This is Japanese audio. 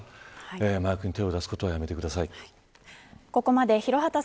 ぜひ、どうか、麻薬に手を出すことはやめてください。